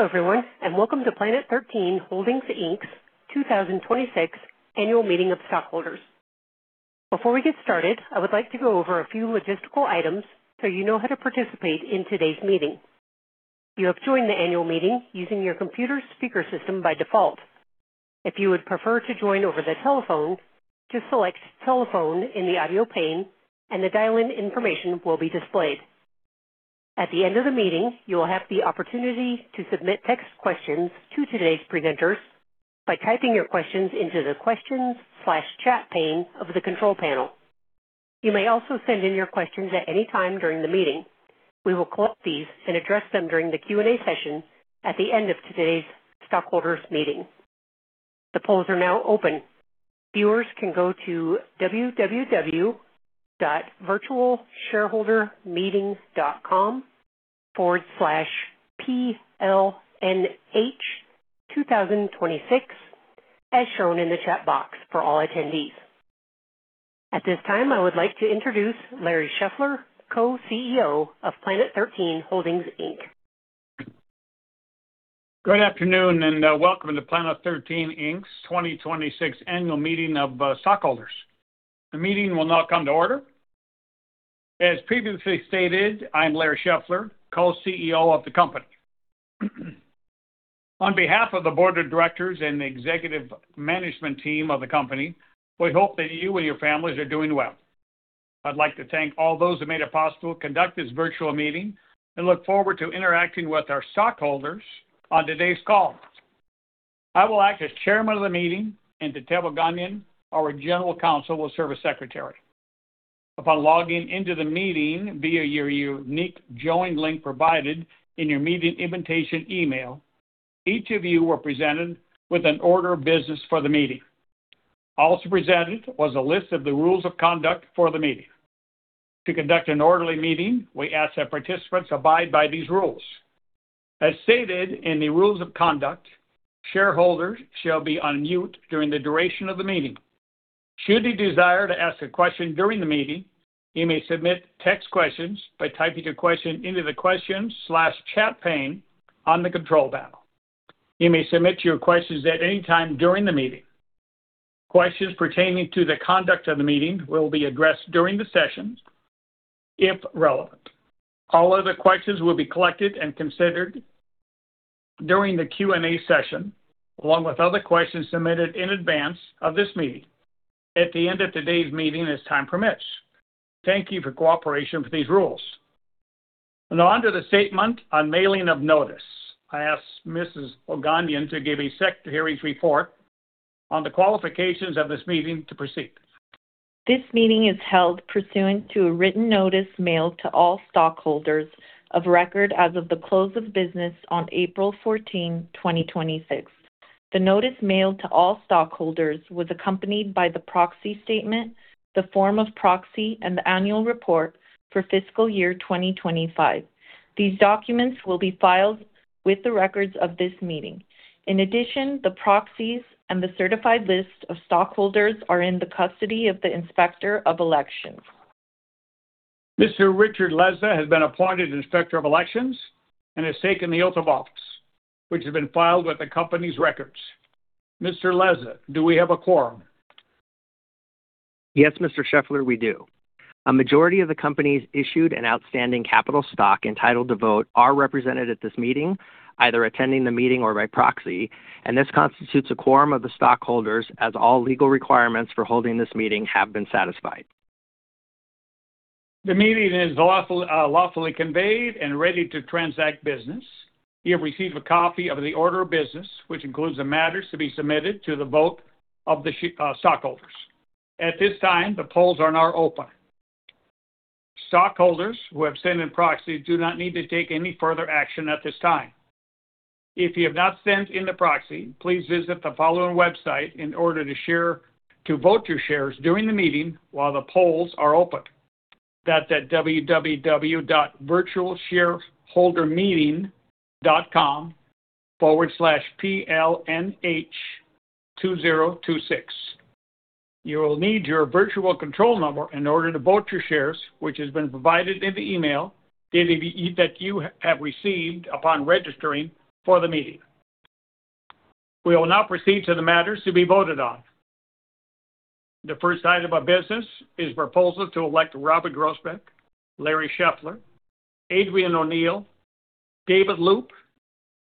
Hello, everyone, and welcome to Planet 13 Holdings Inc's 2026 Annual Meeting of Stockholders. Before we get started, I would like to go over a few logistical items so you know how to participate in today's meeting. You have joined the annual meeting using your computer's speaker system by default. If you would prefer to join over the telephone, just select telephone in the audio pane, and the dial-in information will be displayed. At the end of the meeting, you will have the opportunity to submit text questions to today's presenters by typing your questions into the questions/chat pane of the control panel. You may also send in your questions at any time during the meeting. We will collect these and address them during the Q&A session at the end of today's stockholders meeting. The polls are now open. Viewers can go to www.virtualshareholdermeeting.com/PLNH2026, as shown in the chat box for all attendees. At this time, I would like to introduce Larry Scheffler, Co-CEO of Planet 13 Holdings, Inc. Good afternoon. Welcome to Planet 13 Inc's 2026 Annual Meeting of Stockholders. The meeting will now come to order. As previously stated, I'm Larry Scheffler, Co-CEO of the company. On behalf of the board of directors and the executive management team of the company, we hope that you and your families are doing well. I'd like to thank all those who made it possible to conduct this virtual meeting and look forward to interacting with our stockholders on today's call. I will act as chairman of the meeting, and Tatev Oganyan, our General Counsel, will serve as secretary. Upon logging into the meeting via your unique join link provided in your meeting invitation email, each of you were presented with an order of business for the meeting. Also presented was a list of the rules of conduct for the meeting. To conduct an orderly meeting, we ask that participants abide by these rules. As stated in the rules of conduct, shareholders shall be on mute during the duration of the meeting. Should you desire to ask a question during the meeting, you may submit text questions by typing your question into the question/chat pane on the control panel. You may submit your questions at any time during the meeting. Questions pertaining to the conduct of the meeting will be addressed during the session if relevant. All other questions will be collected and considered during the Q&A session, along with other questions submitted in advance of this meeting at the end of today's meeting, as time permits. Thank you for cooperation with these rules. Under the statement on mailing of notice, I ask Mrs. Oganyan to give a secretary's report on the qualifications of this meeting to proceed. This meeting is held pursuant to a written notice mailed to all stockholders of record as of the close of business on April 14, 2026. The notice mailed to all stockholders was accompanied by the proxy statement, the form of proxy, and the annual report for fiscal year 2025. These documents will be filed with the records of this meeting. In addition, the proxies and the certified list of stockholders are in the custody of the Inspector of Elections. Mr. Richard Lizza has been appointed Inspector of Elections and has taken the oath of office, which has been filed with the company's records. Mr. Lizza, do we have a quorum? Yes, Mr. Scheffler, we do. A majority of the company's issued and outstanding capital stock entitled to vote are represented at this meeting, either attending the meeting or by proxy, and this constitutes a quorum of the stockholders as all legal requirements for holding this meeting have been satisfied. The meeting is lawfully convened and ready to transact business. You have received a copy of the order of business, which includes the matters to be submitted to the vote of the stockholders. At this time, the polls are now open. Stockholders who have sent in proxies do not need to take any further action at this time. If you have not sent in a proxy, please visit the following website in order to vote your shares during the meeting while the polls are open. That's at www.virtualshareholdermeeting.com/plnh2026. You will need your virtual control number in order to vote your shares, which has been provided in the email that you have received upon registering for the meeting. We will now proceed to the matters to be voted on. The first item of business is proposal to elect Robert Groesbeck, Larry Scheffler, Adrienne O'Neal, David Loop,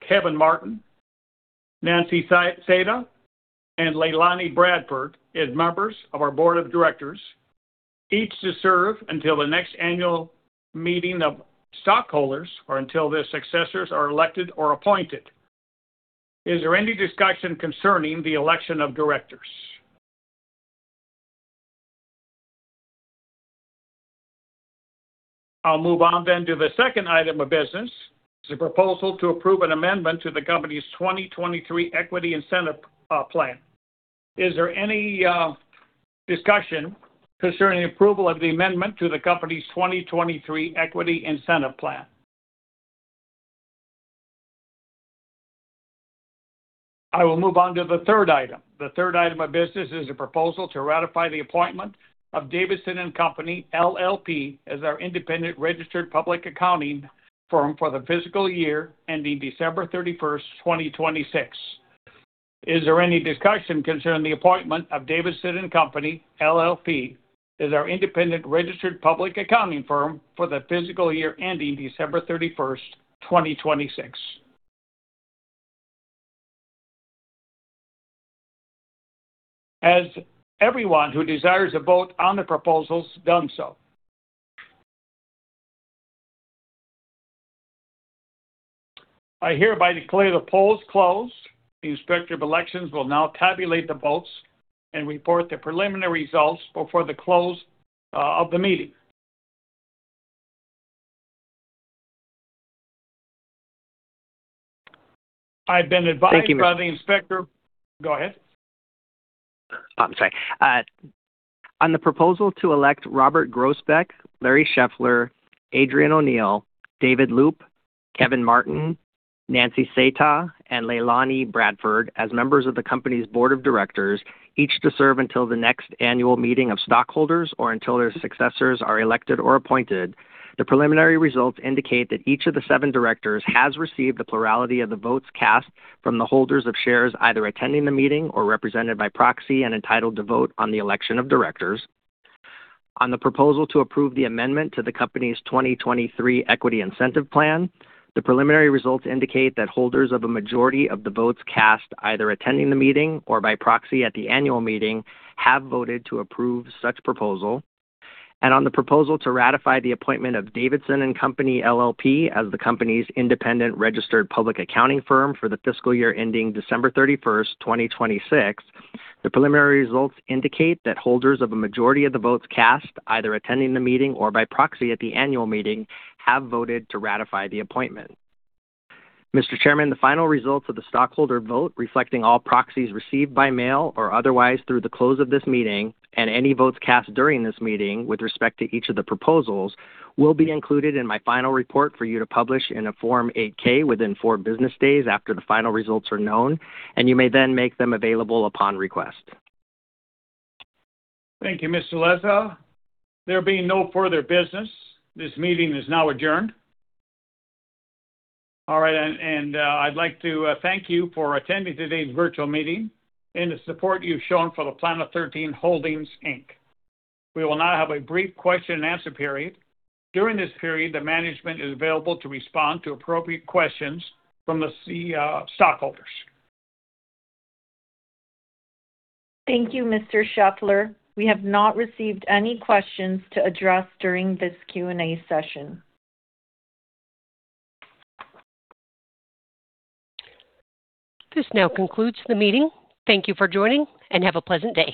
Kevin Martin, Nancy Saitta, and Leilani Bradford as members of our board of directors, each to serve until the next annual meeting of stockholders or until their successors are elected or appointed. Is there any discussion concerning the election of directors? I'll move on then to the second item of business, is a proposal to approve an amendment to the company's 2023 Equity Incentive Plan. Is there any discussion concerning approval of the amendment to the company's 2023 Equity Incentive Plan? I will move on to the third item. The third item of business is a proposal to ratify the appointment of Davidson & Company LLP, as our independent registered public accounting firm for the fiscal year ending December 31st, 2026. Is there any discussion concerning the appointment of Davidson & Company LLP, as our independent registered public accounting firm for the fiscal year ending December 31st, 2026? Has everyone who desires a vote on the proposals done so? I hereby declare the polls closed. The Inspector of Elections will now tabulate the votes and report the preliminary results before the close of the meeting. I've been advised. Thank you, Mr. Go ahead. I'm sorry. On the proposal to elect Robert Groesbeck, Larry Scheffler, Adrienne O'Neal, David Loop, Kevin Martin, Nancy Saitta, and Leilani Bradford as members of the company's Board of Directors, each to serve until the next annual meeting of stockholders or until their successors are elected or appointed. The preliminary results indicate that each of the seven directors has received a plurality of the votes cast from the holders of shares, either attending the meeting or represented by proxy and entitled to vote on the election of directors. On the proposal to approve the amendment to the company's 2023 Equity Incentive Plan, the preliminary results indicate that holders of a majority of the votes cast, either attending the meeting or by proxy at the annual meeting, have voted to approve such proposal. On the proposal to ratify the appointment of Davidson & Company LLP, as the company's independent registered public accounting firm for the fiscal year ending December 31st, 2026, the preliminary results indicate that holders of a majority of the votes cast, either attending the meeting or by proxy at the annual meeting, have voted to ratify the appointment. Mr. Chairman, the final results of the stockholder vote, reflecting all proxies received by mail or otherwise through the close of this meeting and any votes cast during this meeting with respect to each of the proposals, will be included in my final report for you to publish in a Form 8-K within four business days after the final results are known, you may then make them available upon request. Thank you, Mr. Lizza. There being no further business, this meeting is now adjourned. All right, I'd like to thank you for attending today's virtual meeting and the support you've shown for the Planet 13 Holdings, Inc. We will now have a brief question and answer period. During this period, the management is available to respond to appropriate questions from the stockholders. Thank you, Mr. Scheffler. We have not received any questions to address during this Q&A session. This now concludes the meeting. Thank you for joining, and have a pleasant day.